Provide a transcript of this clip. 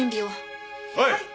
はい！